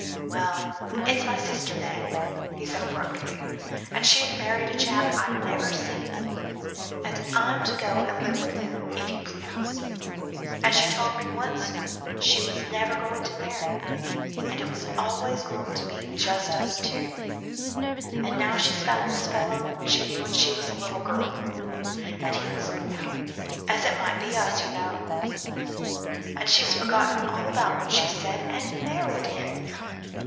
"Well, it's my sister, then," said he abruptly, "and she's married a chap I've never seen and I'm to go and live with them, if you please; and she told me once she was never going to marry, and it was always going to be just us two; and now she's found this fellow she knew when she was a little girl, and he was a boy as it might be us, you know and she's forgotten all about what she said, and married him.